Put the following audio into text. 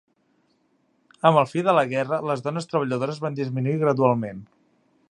Amb la fi de la guerra les dones treballadores van disminuir gradualment.